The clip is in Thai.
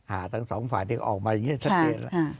หงาตรางสองฝ่ายต้องออกมาก็อย่างนี้ชัดเจน